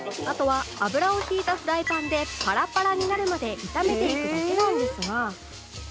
あとは油を引いたフライパンでパラパラになるまで炒めていくだけなんですが